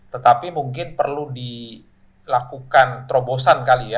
tetapi mungkin perlu dilakukan terobosan kali ya